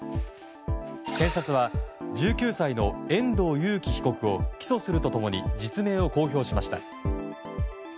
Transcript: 検察は、１９歳の遠藤裕喜被告を起訴すると共に実名を公表しました。